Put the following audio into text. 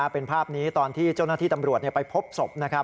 เป็นภาพนี้ตอนที่เจ้าหน้าที่ตำรวจไปพบศพนะครับ